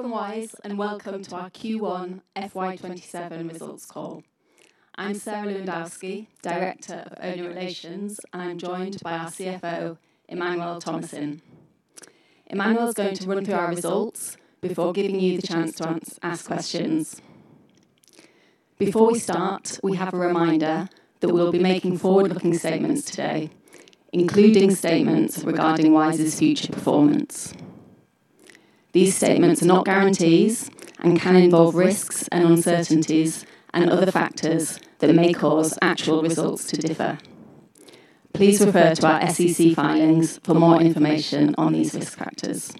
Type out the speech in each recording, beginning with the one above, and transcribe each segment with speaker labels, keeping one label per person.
Speaker 1: Welcome to Wise. Welcome to our Q1 FY 2027 results call. I'm Sarah Lewandowski, Director of Investor Relations. I'm joined by our CFO, Emmanuel Thomassin. Emmanuel is going to run through our results before giving you the chance to ask questions. Before we start, we have a reminder that we'll be making forward-looking statements today, including statements regarding Wise's future performance. These statements are not guarantees and can involve risks and uncertainties and other factors that may cause actual results to differ. Please refer to our SEC filings for more information on these risk factors.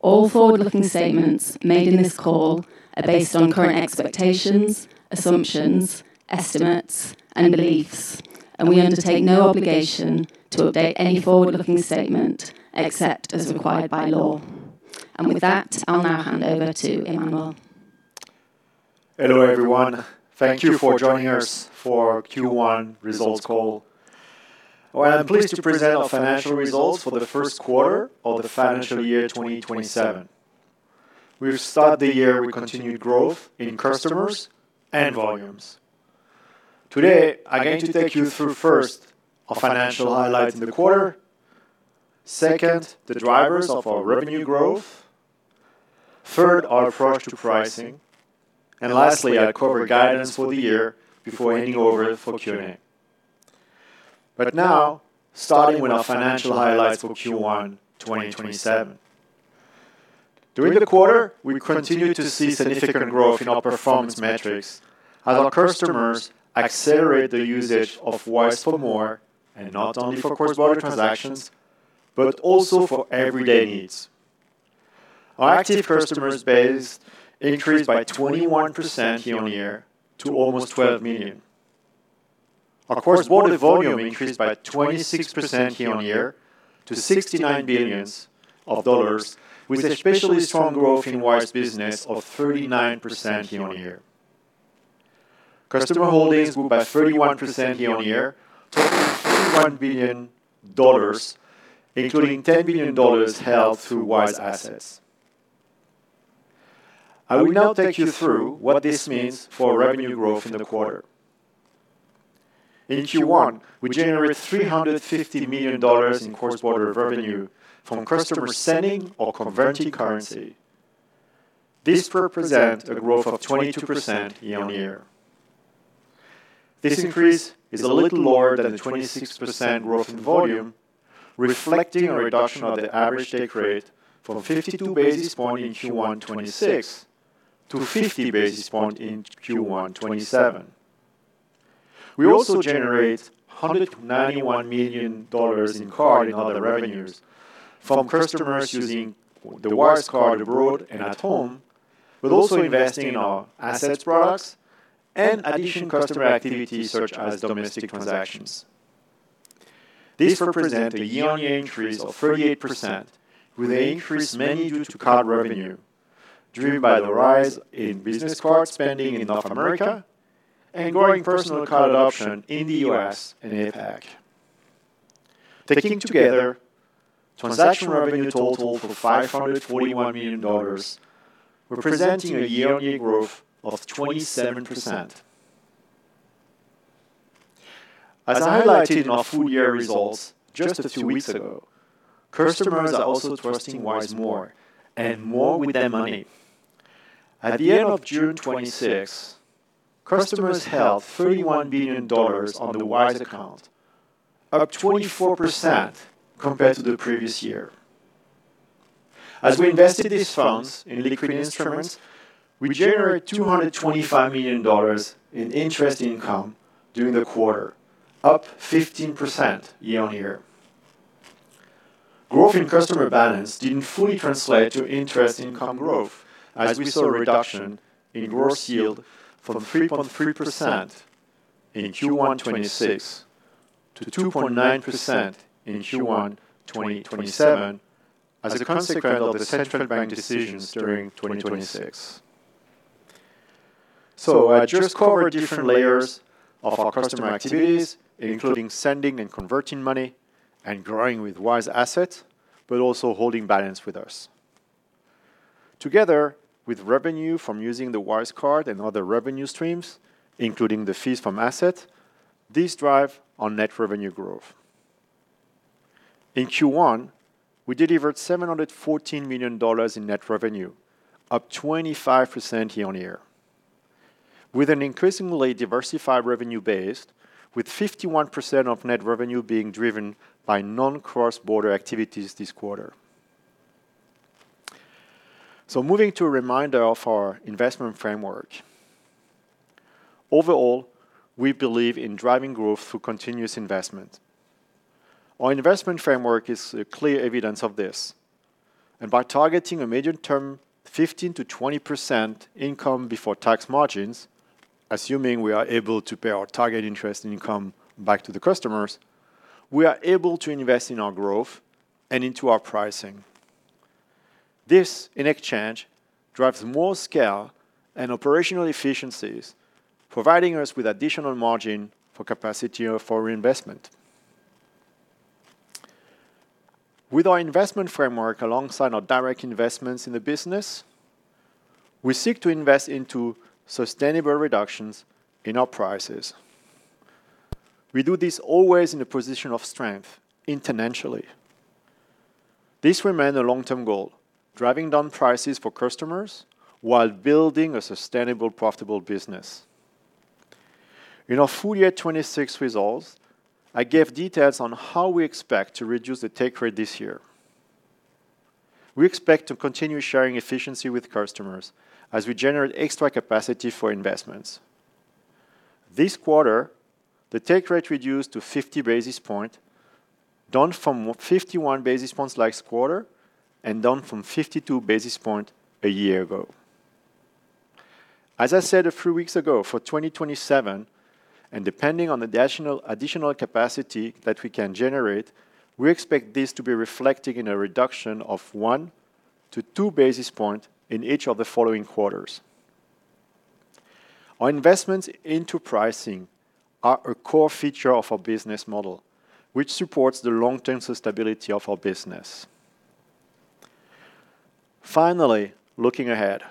Speaker 1: All forward-looking statements made in this call are based on current expectations, assumptions, estimates, and beliefs. We undertake no obligation to update any forward-looking statement, except as required by law. With that, I'll now hand over to Emmanuel.
Speaker 2: Hello, everyone. Thank you for joining us for Q1 results call. Well, I'm pleased to present our financial results for the first quarter of the financial year 2027. We've started the year with continued growth in customers and volumes. Today, I'm going to take you through, first, our financial highlights in the quarter. Second, the drivers of our revenue growth. Third, our approach to pricing. Lastly, I'll cover guidance for the year before handing over for Q&A. Now, starting with our financial highlights for Q1 2027. During the quarter, we continued to see significant growth in our performance metrics as our customers accelerate their usage of Wise for more, not only for cross-border transactions, but also for everyday needs. Our active customers base increased by 21% year-on-year to almost 12 million. Our cross-border volume increased by 26% year-on-year to $69 billion, with especially strong growth in Wise Business of 39% year-on-year. Customer holdings grew by 31% year-on-year, totaling $31 billion, including $10 billion held through Wise Assets. I will now take you through what this means for revenue growth in the quarter. In Q1, we generated $350 million in cross-border revenue from customers sending or converting currency. This represent a growth of 22% year-on-year. This increase is a little lower than the 26% growth in volume, reflecting a reduction of the average take rate from 52 basis points in Q1 2026 to 50 basis points in Q1 2027. We also generate $191 million in card and other revenues from customers using the Wise Card abroad and at home, but also investing in our Assets products and addition customer activity such as domestic transactions. This represent a year-on-year increase of 38%, with the increase mainly due to card revenue, driven by the rise in business card spending in North America and growing personal card adoption in the U.S. and APAC. Taking together, transaction revenue total for $541 million, representing a year-on-year growth of 27%. As I highlighted in our full year results just a two weeks ago, customers are also trusting Wise more and more with their money. At the end of June 2026, customers held $31 billion on the Wise Account, up 24% compared to the previous year. As we invested these funds in liquid instruments, we generated $225 million in interest income during the quarter, up 15% year-on-year. Growth in customer balance didn't fully translate to interest income growth, as we saw a reduction in gross yield from 3.3% in Q1 2026 to 2.9% in Q1 2027 as a consequence of the central bank decisions during 2026. I just covered different layers of our customer activities, including sending and converting money and growing with Wise Assets, but also holding balance with us. Together, with revenue from using the Wise Card and other revenue streams, including the fees from Assets, this drive our net revenue growth. In Q1, we delivered $714 million in net revenue, up 25% year-on-year. With an increasingly diversified revenue base, with 51% of net revenue being driven by non-cross-border activities this quarter. Moving to a reminder of our investment framework. Overall, we believe in driving growth through continuous investment. Our investment framework is a clear evidence of this. By targeting a major term 15%-20% income before tax margins, assuming we are able to pay our target interest and income back to the customers, we are able to invest in our growth and into our pricing. This, in exchange, drives more scale and operational efficiencies, providing us with additional margin for capacity or for reinvestment. With our investment framework alongside our direct investments in the business, we seek to invest into sustainable reductions in our prices. We do this always in a position of strength, intentionally. This remains a long-term goal, driving down prices for customers while building a sustainable, profitable business. In our full-year 2026 results, I gave details on how we expect to reduce the take rate this year. We expect to continue sharing efficiency with customers as we generate extra capacity for investments. This quarter, the take rate reduced to 50 basis points, down from 51 basis points last quarter, and down from 52 basis points a year ago. As I said a few weeks ago, for 2027, depending on the additional capacity that we can generate, we expect this to be reflected in a reduction of 1-2 basis points in each of the following quarters. Our investments into pricing are a core feature of our business model, which supports the long-term stability of our business. Finally, looking ahead.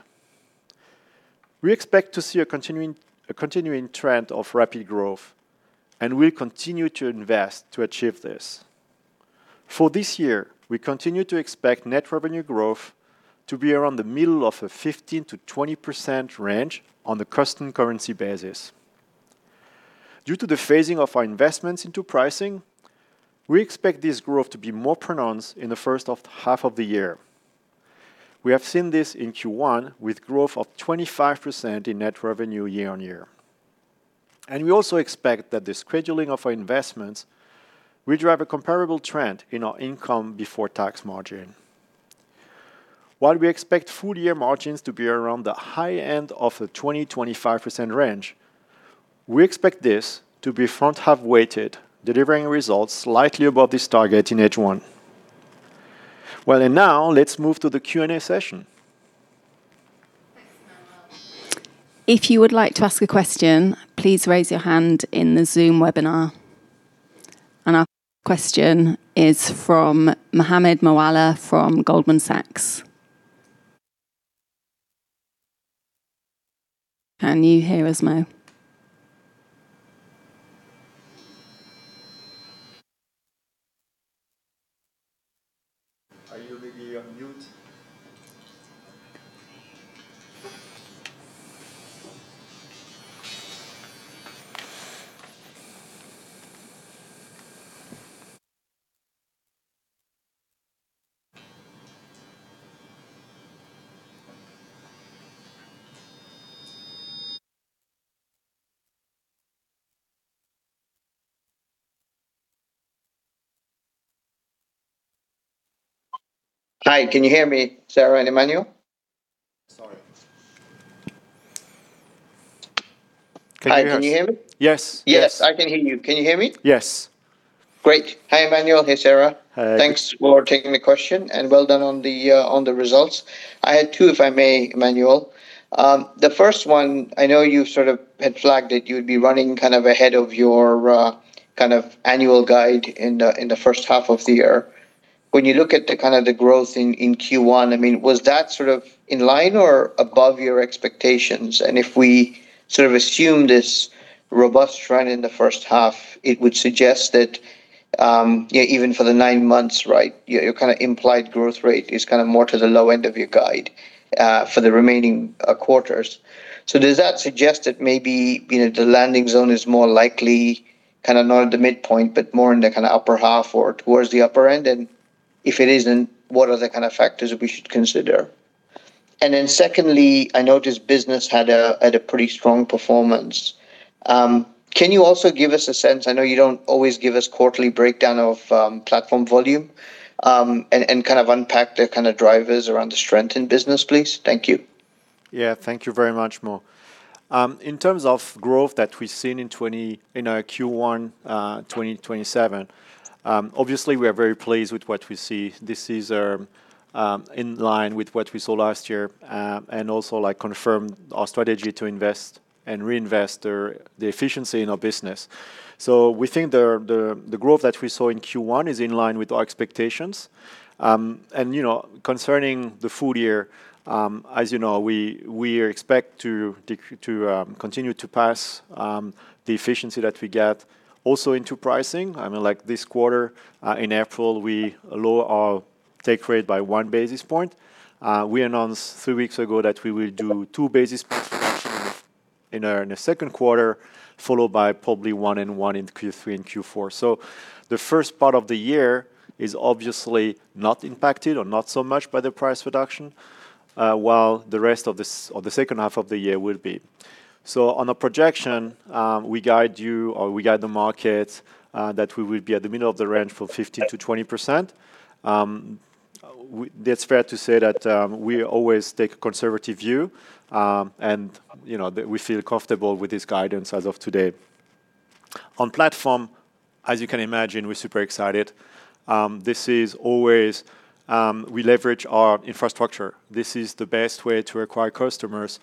Speaker 2: We expect to see a continuing trend of rapid growth. We'll continue to invest to achieve this. For this year, we continue to expect net revenue growth to be around the middle of a 15%-20% range on the constant currency basis. Due to the phasing of our investments into pricing, we expect this growth to be more pronounced in the first half of the year. We have seen this in Q1 with growth of 25% in net revenue year-on-year. We also expect that the scheduling of our investments will drive a comparable trend in our income before tax margin. While we expect full year margins to be around the high end of the 20%-25% range, we expect this to be front-half weighted, delivering results slightly above this target in H1. Now, let's move to the Q&A session.
Speaker 1: If you would like to ask a question, please raise your hand in the Zoom webinar. Our first question is from Mohammed Moawalla from Goldman Sachs. Can you hear us, Mo?
Speaker 2: Are you maybe on mute?
Speaker 3: Hi, can you hear me, Sarah and Emmanuel?
Speaker 2: Sorry. Can you hear us?
Speaker 3: Hi, can you hear me?
Speaker 2: Yes.
Speaker 3: Yes, I can hear you. Can you hear me?
Speaker 2: Yes.
Speaker 3: Great. Hi, Emmanuel. Hey, Sarah.
Speaker 2: Hi.
Speaker 3: Thanks for taking the question. Well done on the results. I had two, if I may, Emmanuel. The first one, I know you sort of had flagged it, you'd be running kind of ahead of your annual guide in the first half of the year. When you look at the kind of the growth in Q1, was that sort of in line or above your expectations? If we sort of assume this robust trend in the first half, it would suggest that even for the nine months, your kind of implied growth rate is kind of more to the low end of your guide for the remaining quarters. Does that suggest that maybe the landing zone is more likely kind of not at the midpoint, but more in the kind of upper half or towards the upper end? If it isn't, what are the kind of factors that we should consider? Secondly, I noticed Business had a pretty strong performance. Can you also give us a sense—I know you don't always give us quarterly breakdown of Platform volume—and kind of unpack the kind of drivers around the strength in Business, please? Thank you.
Speaker 2: Thank you very much, Mo. In terms of growth that we've seen in our Q1 2027, obviously, we are very pleased with what we see. This is in line with what we saw last year, and also confirmed our strategy to invest and reinvest the efficiency in our business. We think the growth that we saw in Q1 is in line with our expectations. Concerning the full year, as you know, we expect to continue to pass the efficiency that we get also into pricing. This quarter, in April, we lower our take rate by 1 basis point. We announced three weeks ago that we will do 2 basis points reduction in the second quarter, followed by probably 1 basis point each in Q3 and Q4. The first part of the year is obviously not impacted, or not so much by the price reduction, while the rest of the second half of the year will be. On a projection, we guide you or we guide the market, that we will be at the middle of the range for 15%-20%. It's fair to say that we always take a conservative view, and we feel comfortable with this guidance as of today. On Platform, as you can imagine, we're super excited. We leverage our infrastructure. This is the best way to acquire customers.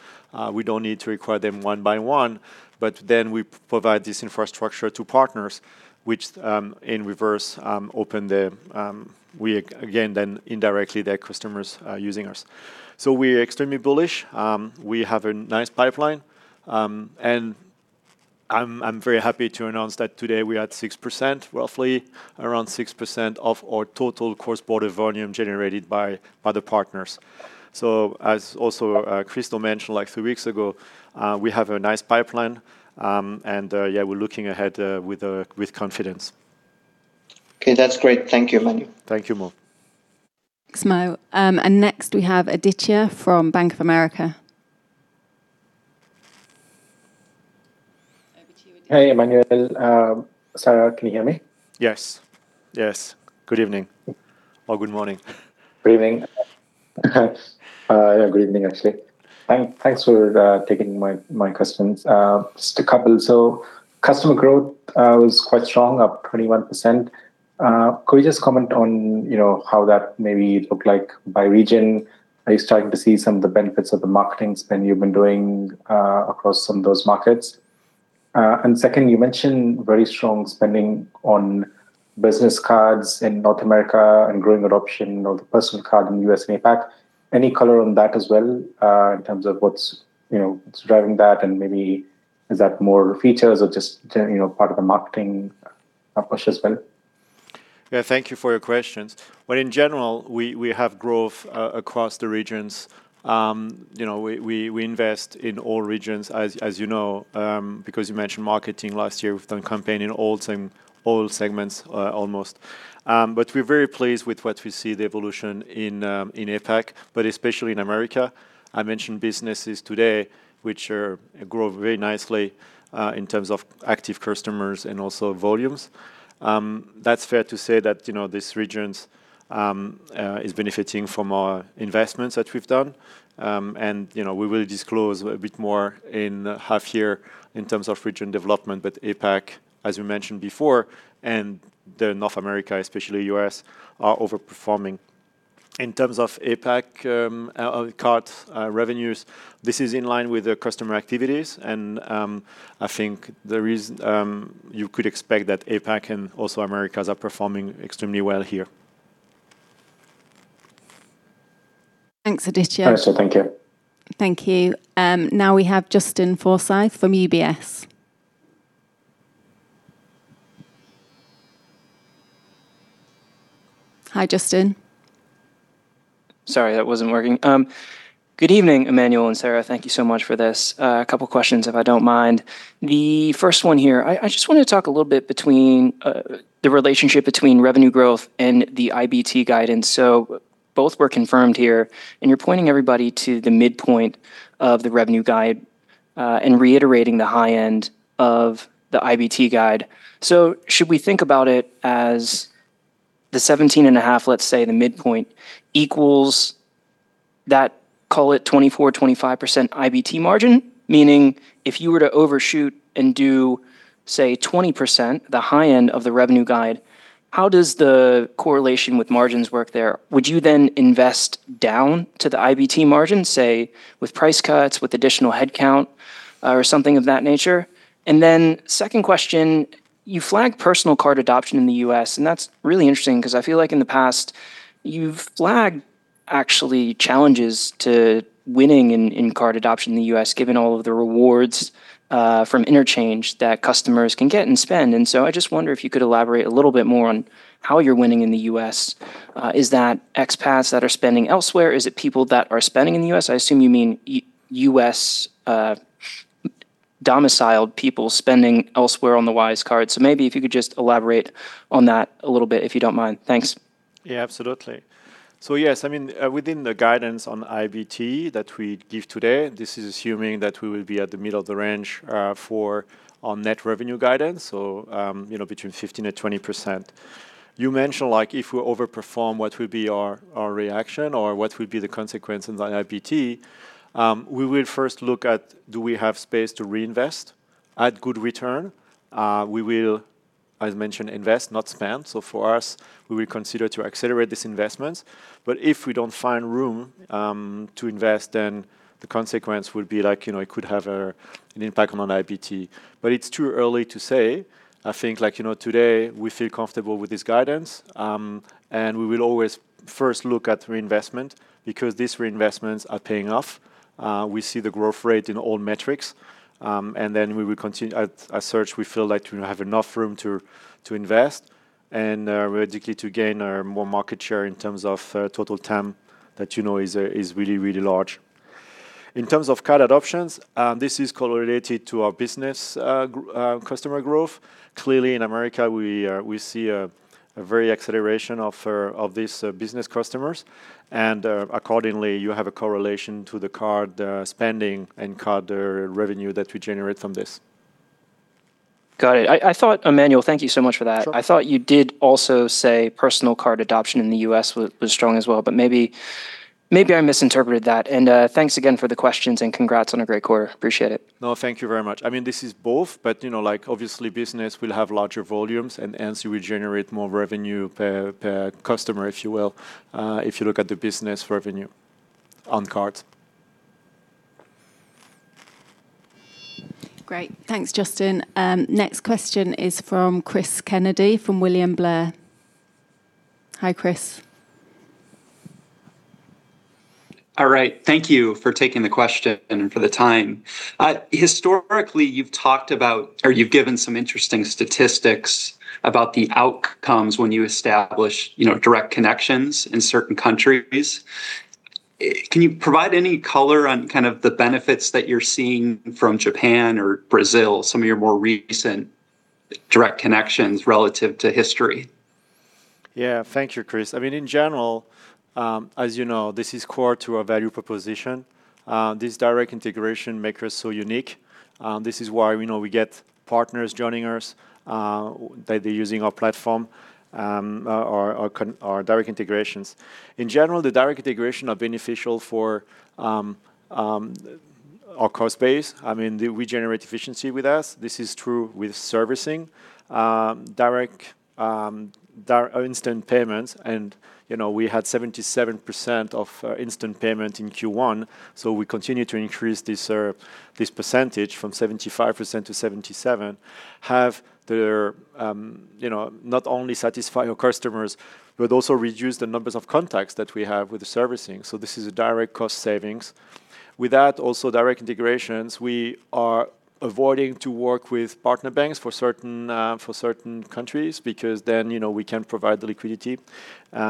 Speaker 2: We don't need to acquire them one by one. We provide this infrastructure to partners, which, in reverse, open again, indirectly, their customers are using us. We're extremely bullish. We have a nice pipeline. I'm very happy to announce that today, we're at 6%, roughly around 6% of our total cross-border volume generated by the partners. As also Kristo mentioned three weeks ago, we have a nice pipeline. We're looking ahead with confidence.
Speaker 3: That's great. Thank you, Emmanuel.
Speaker 2: Thank you, Mo.
Speaker 1: Thanks, Mo. Next, we have Aditya from Bank of America. Over to you, Aditya.
Speaker 4: Hey, Emmanuel. Sarah, can you hear me?
Speaker 2: Yes. Good evening or good morning.
Speaker 4: Good evening, actually. Thanks for taking my questions. Just a couple. Customer growth was quite strong, up 21%. Could you just comment on how that maybe looked like by region? Are you starting to see some of the benefits of the marketing spend you've been doing across some of those markets? Second, you mentioned very strong spending on business cards in North America and growing adoption of the personal card in U.S. and APAC. Any color on that as well, in terms of what's driving that, and maybe is that more features or just part of the marketing push as well?
Speaker 2: Thank you for your questions. Well, in general, we have growth across the regions. We invest in all regions, as you know, because you mentioned marketing last year, we've done campaign in all segments almost. We're very pleased with what we see the evolution in APAC, but especially in America. I mentioned Business today, which grow very nicely in terms of active customers and also volumes. That's fair to say that these regions is benefiting from our investments that we've done. We will disclose a bit more in half year in terms of region development. APAC, as we mentioned before, and North America, especially U.S., are overperforming. In terms of APAC card revenues, this is in line with the customer activities, and I think you could expect that APAC and also Americas are performing extremely well here.
Speaker 1: Thanks, Aditya.
Speaker 4: All right, thank you.
Speaker 1: Thank you. We have Justin Forsythe from UBS. Hi, Justin.
Speaker 5: Good evening, Emmanuel and Sarah. Thank you so much for this. A couple questions, if I don't mind. The first one here, I just want to talk a little bit the relationship between revenue growth and the IBT guidance. Both were confirmed here, and you're pointing everybody to the midpoint of the revenue guide, and reiterating the high end of the IBT guide. Should we think about it as the 17.5%, let's say, the midpoint equals that, call it 24%-25% IBT margin? Meaning, if you were to overshoot and do, say, 20%, the high end of the revenue guide, how does the correlation with margins work there? Would you then invest down to the IBT margin, say, with price cuts, with additional headcount, or something of that nature? Second question, you flagged personal card adoption in the U.S., and that's really interesting because I feel like in the past, you've flagged, actually, challenges to winning in card adoption in the U.S., given all of the rewards from interchange that customers can get and spend. I just wonder if you could elaborate a little bit more on how you're winning in the U.S. Is that expats that are spending elsewhere? Is it people that are spending in the U.S.? I assume you mean U.S.-domiciled people spending elsewhere on the Wise Card. Maybe if you could just elaborate on that a little bit, if you don't mind. Thanks.
Speaker 2: Absolutely. Yes, within the guidance on IBT that we give today, this is assuming that we will be at the middle of the range for our net revenue guidance—between 15%-20%. You mentioned if we overperform, what will be our reaction or what will be the consequence on the IBT? We will first look at, do we have space to reinvest at good return? We will, as mentioned, invest, not spend. For us, we will consider to accelerate these investments. If we don't find room to invest, the consequence will be it could have an impact on our IBT. It's too early to say. I think today, we feel comfortable with this guidance. We will always first look at reinvestment, because these reinvestments are paying off. We see the growth rate in all metrics, and we will continue. As such, we feel like we have enough room to invest. We are dedicated to gain more market share in terms of total TAM, that you know is really, really large. In terms of card adoptions, this is correlated to our business customer growth. Clearly, in America, we see a very acceleration of these business customers, and accordingly, you have a correlation to the card spending and card revenue that we generate from this.
Speaker 5: Got it. Emmanuel, thank you so much for that.
Speaker 2: Sure.
Speaker 5: I thought you did also say personal card adoption in the U.S. was strong as well, but maybe I misinterpreted that. Thanks again for the questions, and congrats on a great quarter. Appreciate it.
Speaker 2: Thank you very much. This is both, but obviously business will have larger volumes and hence will generate more revenue per customer, if you will, if you look at the business revenue on Card.
Speaker 1: Great. Thanks, Justin. Next question is from Cris Kennedy from William Blair. Hi, Cris.
Speaker 6: Thank you for taking the question and for the time. Historically, you've given some interesting statistics about the outcomes when you establish direct connections in certain countries. Can you provide any color on the benefits that you're seeing from Japan or Brazil, some of your more recent direct connections relative to history?
Speaker 2: Thank you, Cris. In general, as you know, this is core to our value proposition. This direct integration make us so unique. This is why we get partners joining us, that they're using our Platform, our direct integrations. In general, the direct integration are beneficial for our cost base. We generate efficiency with us. This is true with servicing. Instant payments, we had 77% of instant payment in Q1, so we continue to increase this percentage from 75%-77%, have not only satisfy our customers, but also reduce the numbers of contacts that we have with the servicing. So this is a direct cost savings. With that, also direct integrations, we are avoiding to work with partner banks for certain countries because then we can provide the liquidity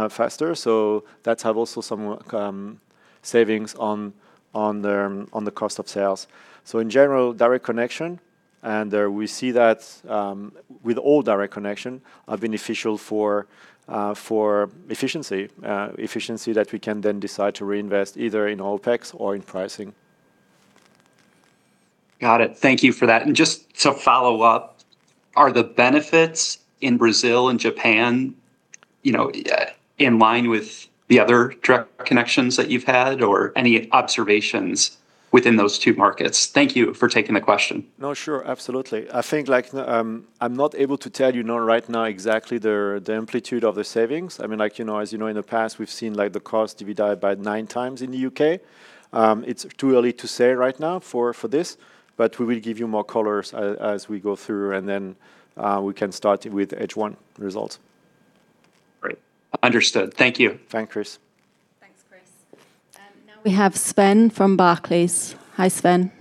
Speaker 2: faster. So that have also some savings on the cost of sales. In general, direct connection. We see that with all direct connection are beneficial for efficiency. Efficiency that we can then decide to reinvest either in OpEx or in pricing.
Speaker 6: Got it. Thank you for that. Just to follow up, are the benefits in Brazil and Japan in line with the other direct connections that you've had, or any observations within those two markets? Thank you for taking the question.
Speaker 2: Sure. Absolutely. I think I'm not able to tell you right now exactly the amplitude of the savings. As you know, in the past, we've seen the cost divided by nine times in the U.K. It's too early to say right now for this, but we will give you more colors as we go through, and then we can start with H1 results.
Speaker 6: Great. Understood. Thank you.
Speaker 2: Thanks, Cris.
Speaker 1: Thanks, Cris. Now, we have Sven from Barclays. Hi, Sven.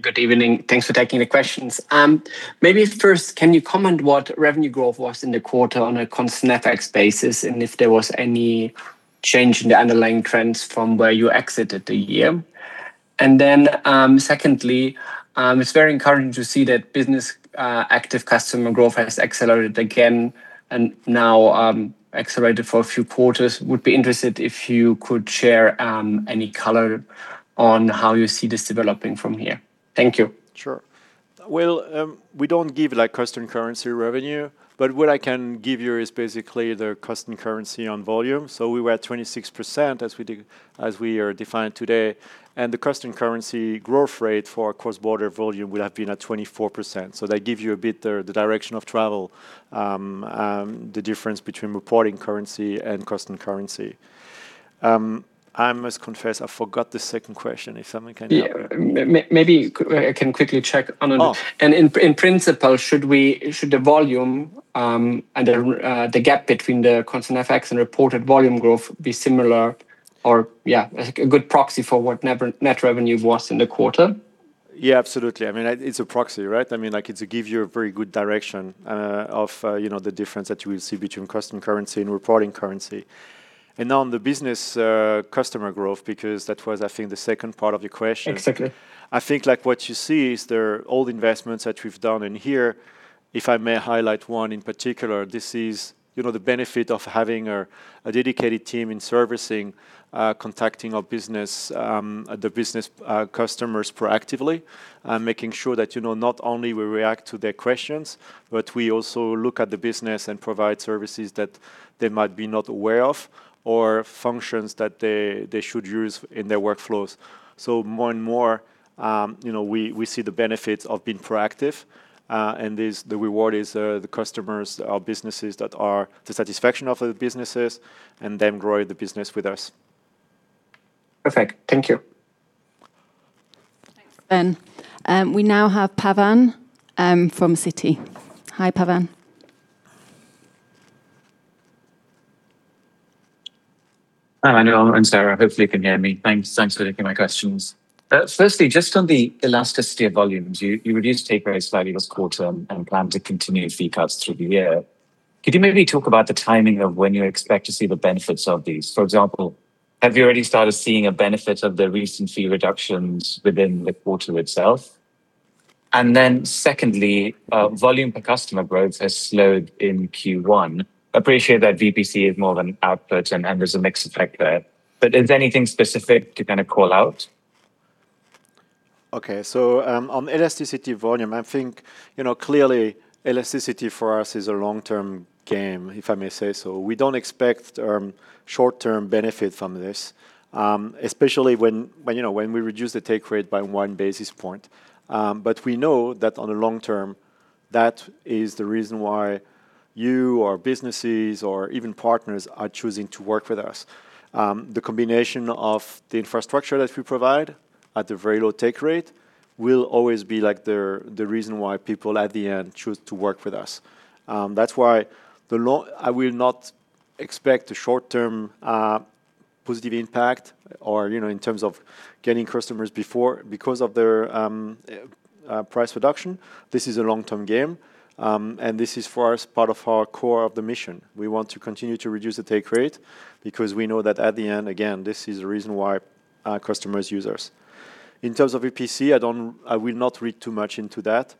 Speaker 7: Good evening. Thanks for taking the questions. Maybe first, can you comment what revenue growth was in the quarter on a constant FX basis, and if there was any change in the underlying trends from where you exited the year? Then, secondly, it's very encouraging to see that business active customer growth has accelerated again, and now accelerated for a few quarters. Would be interested if you could share any color on how you see this developing from here. Thank you.
Speaker 2: Sure. Well, we don't give constant currency revenue, but what I can give you is basically the constant currency on volume. We were at 26% as we are defined today, and the constant currency growth rate for cross-border volume would have been at 24%. They give you a bit the direction of travel, the difference between reporting currency and constant currency. I must confess, I forgot the second question. If someone can help?
Speaker 7: Maybe I can quickly check. In principle, should the volume and the gap between the constant FX and reported volume growth be similar or a good proxy for what net revenue was in the quarter?
Speaker 2: Absolutely. It's a proxy. It gives you a very good direction of the difference that you will see between constant currency and reporting currency. Now, on the business customer growth, because that was, I think, the second part of your question.
Speaker 7: Exactly.
Speaker 2: I think what you see is they're all investments that we've done in here. If I may highlight one in particular, this is the benefit of having a dedicated team in servicing, contacting the business customers proactively, and making sure that not only we react to their questions, but we also look at the business and provide services that they might be not aware of or functions that they should use in their workflows. More and more, we see the benefits of being proactive, and the reward is the satisfaction of the businesses, and them grow the business with us.
Speaker 7: Perfect. Thank you.
Speaker 1: Thanks, Sven. We now have Pavan from Citi. Hi, Pavan.
Speaker 8: Hi, Emmanuel and Sarah. Hopefully you can hear me. Thanks for taking my questions. Firstly, just on the elasticity of volumes. You reduced [take price] very slightly this quarter and plan to continue fee cuts through the year. Could you maybe talk about the timing of when you expect to see the benefits of these? For example, have you already started seeing a benefit of the recent fee reductions within the quarter itself? Secondly, volume per customer growth has slowed in Q1. Appreciate that VPC is more of an output and there's a mix effect there, but is there anything specific to kind of call out?
Speaker 2: On elasticity volume, I think, clearly elasticity for us is a long-term game, if I may say so. We don't expect short-term benefit from this, especially when we reduce the take rate by 1 basis point. We know that, on the long term, that is the reason why you or businesses or even partners are choosing to work with us. The combination of the infrastructure that we provide at the very low take rate will always be the reason why people at the end choose to work with us. That's why I will not expect a short-term positive impact or in terms of getting customers before because of their price reduction. This is a long-term game, and this is for us, part of our core of the mission. We want to continue to reduce the take rate because we know that at the end, again, this is the reason why our customers use us. In terms of VPC, I will not read too much into that.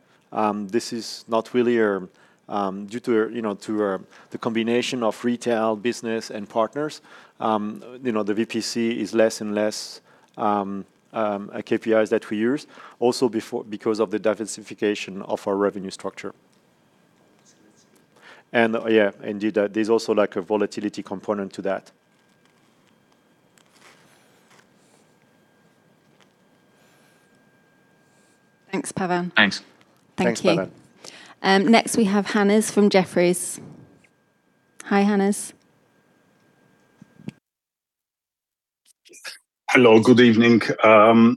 Speaker 2: This is not really due to the combination of retail, business, and partners. The VPC is less and less a KPI that we use also because of the diversification of our revenue structure. Indeed, there's also a volatility component to that.
Speaker 1: Thanks, Pavan.
Speaker 8: Thanks.
Speaker 2: Thanks, Pavan.
Speaker 1: Thank you. Next we have Hannes from Jefferies. Hi, Hannes.
Speaker 9: Hello, good evening. I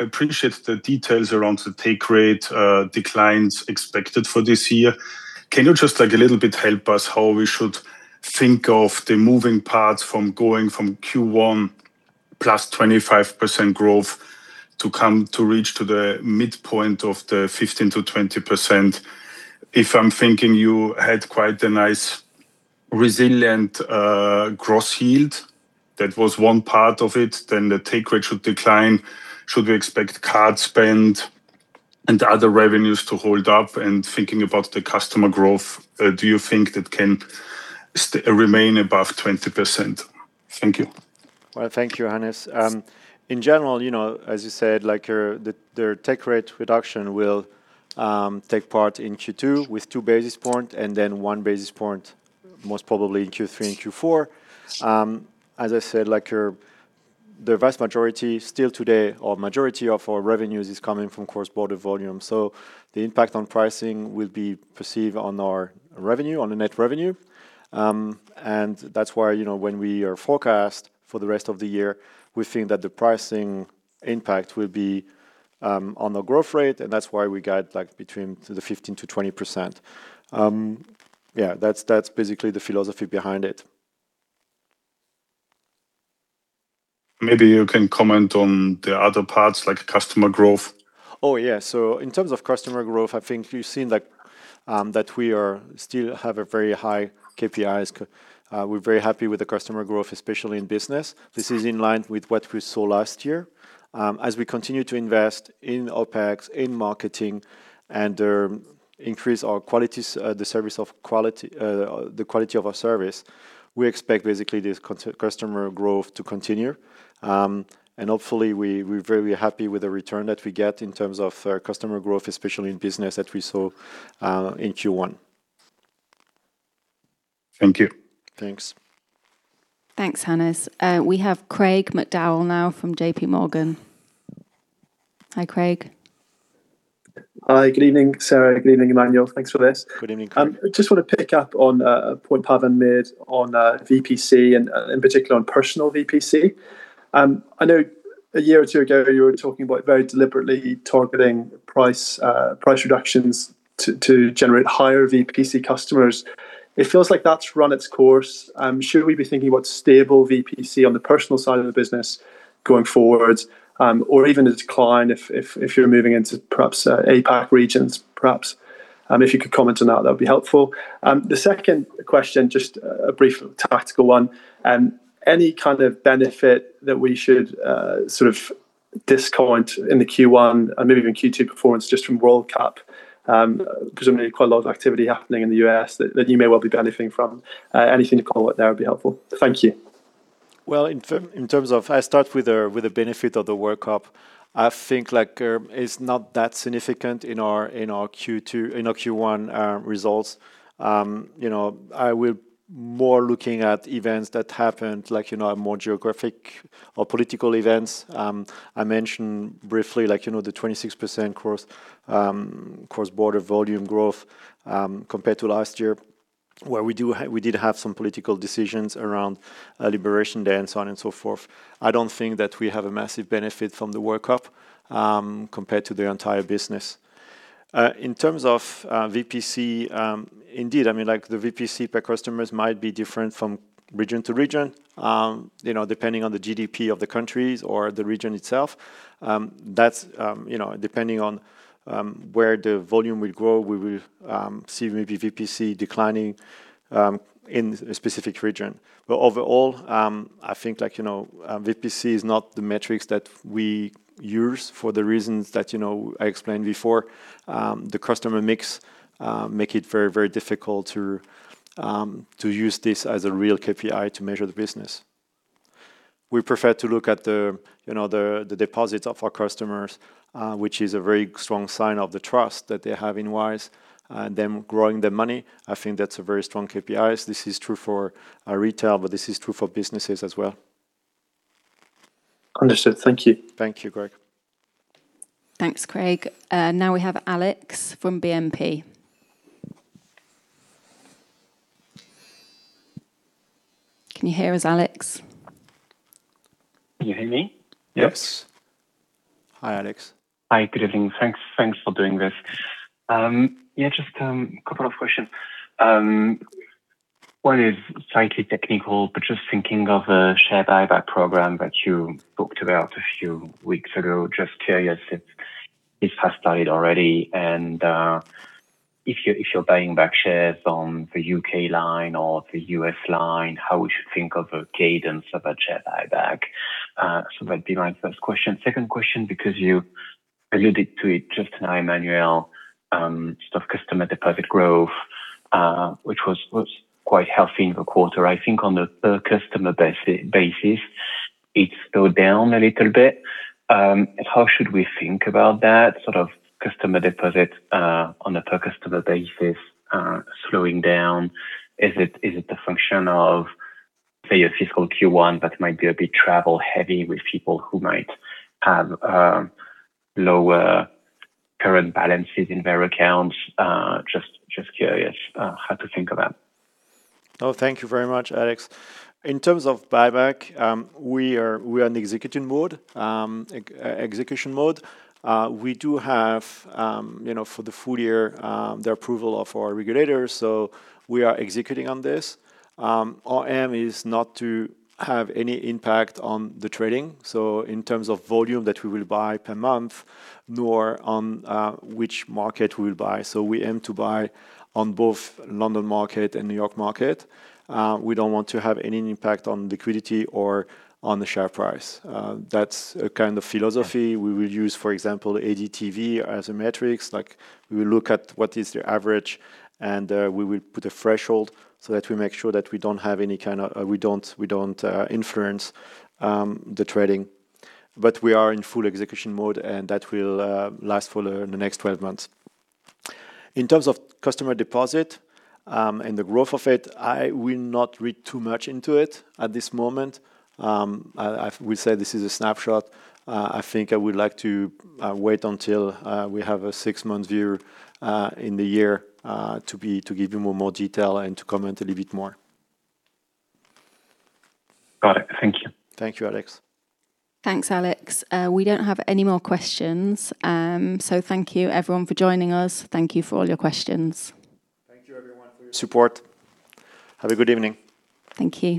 Speaker 9: appreciate the details around the take rate declines expected for this year. Can you just a little bit help us how we should think of the moving parts from going from Q1 +25% growth to come to reach to the midpoint of the 15%-20%? If I'm thinking you had quite a nice, resilient gross yield, that was one part of it, then the take rate should decline. Should we expect card spend and other revenues to hold up? Thinking about the customer growth, do you think that can remain above 20%? Thank you.
Speaker 2: Well, thank you, Hannes. In general, as you said, the take rate reduction will take part in Q2 with 2 basis points and then 1 basis point, most probably in Q3 and Q4. As I said, the vast majority still today or majority of our revenues is coming from cross-border volume. The impact on pricing will be perceived on our revenue, on the net revenue. That's why, when we forecast for the rest of the year, we think that the pricing impact will be on the growth rate, and that's why we guide between the 15%-20%. That's basically the philosophy behind it.
Speaker 9: Maybe you can comment on the other parts, like customer growth.
Speaker 2: In terms of customer growth, I think you've seen that we still have a very high KPIs. We're very happy with the customer growth, especially in business. This is in line with what we saw last year. As we continue to invest in OpEx, in marketing, and increase the quality of our service, we expect basically this customer growth to continue. Hopefully, we're very happy with the return that we get in terms of customer growth, especially in business that we saw in Q1.
Speaker 9: Thank you.
Speaker 2: Thanks.
Speaker 1: Thanks, Hannes. We have Craig McDowell now from JPMorgan. Hi, Craig.
Speaker 10: Hi. Good evening, Sarah. Good evening, Emmanuel. Thanks for this.
Speaker 2: Good evening, Craig.
Speaker 10: I just want to pick up on a point Pavan made on VPC, and in particular on personal VPC. I know a year or two ago you were talking about very deliberately targeting price reductions to generate higher VPC customers. It feels like that's run its course. Should we be thinking about stable VPC on the personal side of the business going forward? Even a decline if you're moving into perhaps APAC regions, perhaps? If you could comment on that would be helpful. The second question, just a brief tactical one. Any kind of benefit that we should sort of discount in the Q1 or maybe even Q2 performance just from World Cup? Presumably quite a lot of activity happening in the U.S. that you may well be benefiting from. Anything to comment there would be helpful. Thank you.
Speaker 2: I start with the benefit of the World Cup. I think it's not that significant in our Q1 results. I will more looking at events that happened, more geographic or political events. I mentioned briefly the 26% cross-border volume growth, compared to last year, where we did have some political decisions around Liberation Day and so on and so forth. I don't think that we have a massive benefit from the World Cup compared to the entire business. In terms of VPC, indeed, the VPC per customers might be different from region to region, depending on the GDP of the countries or the region itself. Depending on where the volume will grow, we will see maybe VPC declining in a specific region. Overall, I think VPC is not the metrics that we use for the reasons that I explained before. The customer mix make it very difficult to use this as a real KPI to measure the business. We prefer to look at the deposits of our customers, which is a very strong sign of the trust that they have in Wise, them growing their money. I think that's a very strong KPI. This is true for retail, this is true for businesses as well.
Speaker 10: Understood. Thank you.
Speaker 2: Thank you, Craig.
Speaker 1: Thanks, Craig. Now, we have Alex from BNP. Can you hear us, Alex?
Speaker 11: Can you hear me?
Speaker 2: Yes.
Speaker 1: Yes.
Speaker 2: Hi, Alex.
Speaker 11: Hi. Good evening. Thanks for doing this. Just two questions. One is slightly technical, but just thinking of a share buyback program that you talked about a few weeks ago. Just curious if this has started already, and if you're buying back shares on the U.K. line or the U.S. line, how we should think of a cadence of a share buyback. That'd be my first question. Second question, because you alluded to it just now, Emmanuel, sort of customer deposit growth, which was quite healthy in the quarter. I think on the per customer basis, it slowed down a little bit. How should we think about that, sort of customer deposits on a per customer basis slowing down? Is it a function of, say, a fiscal Q1 that might be a bit travel heavy with people who might have lower current balances in their accounts? Just curious how to think of that.
Speaker 2: Thank you very much, Alex. In terms of buyback, we are in the execution mode. We do have, for the full year, the approval of our regulators, we are executing on this. Our aim is not to have any impact on the trading in terms of volume that we will buy per month, nor on which market we'll buy. We aim to buy on both London market and New York market. We don't want to have any impact on liquidity or on the share price. That's a kind of philosophy. We will use, for example, ADTV as a metric. We will look at what is the average, and we will put a threshold so that we make sure that we don't influence the trading. We are in full execution mode, and that will last for the next 12 months. In terms of customer deposit and the growth of it, I will not read too much into it at this moment. We say this is a snapshot. I think I would like to wait until we have a six-month view in the year to give you more detail and to comment a little bit more.
Speaker 11: Got it. Thank you.
Speaker 2: Thank you, Alex.
Speaker 1: Thanks, Alex. We don't have any more questions. Thank you everyone for joining us. Thank you for all your questions.
Speaker 2: Thank you everyone for your support. Have a good evening.
Speaker 1: Thank you.